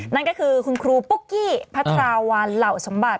นั่นก็คือคุณครูปุ๊กกี้พัทราวันเหล่าสมบัติ